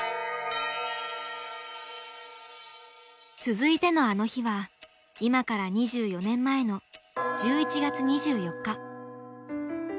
続いてのあの日は今から２４年前の１１月２４日。